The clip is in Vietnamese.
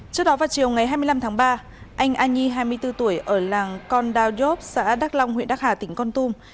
trước đó vào chiều ngày hai mươi năm tháng ba anh an nhi hai mươi bốn tuổi ở làng con đao dốp xã đắc long huyện đắc hà tỉnh con tum